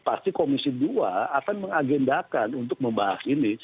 pasti komisi dua akan mengagendakan untuk membahas ini